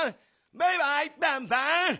バイバイバンバン！